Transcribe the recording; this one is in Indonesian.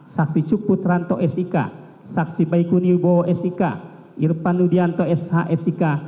saksi cukputranto s i k saksi baikuniubowo s i k irpanudianto s h s i k